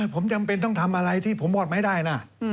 ผมจำเป็นต้องทำอะไรที่ผมบอกไม่ได้นะ